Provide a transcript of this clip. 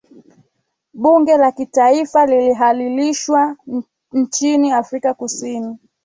bunge la kitaifa lilihalalishwa nchini afrika kusini